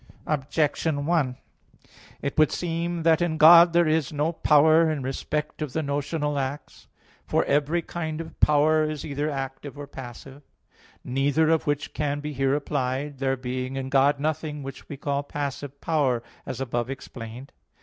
Objection 1: It would seem that in God there is no power in respect of the notional acts. For every kind of power is either active or passive; neither of which can be here applied, there being in God nothing which we call passive power, as above explained (Q.